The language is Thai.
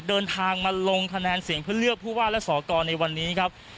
เดินทางมาลงคะแนนเสียงเพื่อเลือกผู้ว่าและสอกรในวันนี้ครับ